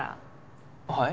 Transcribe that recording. はい？